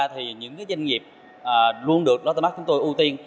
thì những doanh nghiệp luôn được lotte marks chúng tôi ưu tiên